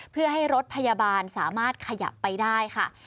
เพื่อให้รถพยาบาลสามารถขยับไปได้ค่ะ